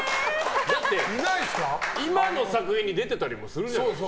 今の作品に出てたりもするじゃないですか。